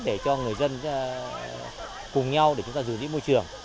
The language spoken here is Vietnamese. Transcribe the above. để cho người dân cùng nhau để chúng ta giữ môi trường